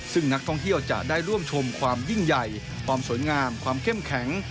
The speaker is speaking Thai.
ซึ่งนักท่องเที่ยวจะได้ร่วมชมความยิ่งใหญ่ความสวยงามความเข้มแข็ง